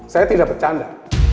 saya tidak bercanda